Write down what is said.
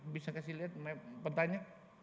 bisa kasih lihat pertanyaan